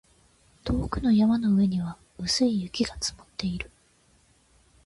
遠くの山の上には薄い雪が積もっている